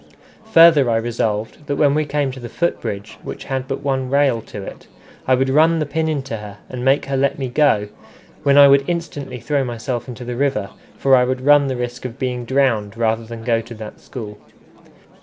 Further I resolved, that when we came to the foot bridge, which had but one rail to it, I would run the pin into her and make her let me go, when I would instantly throw myself into the river, for I would run the risk of being drowned rather than go to that school.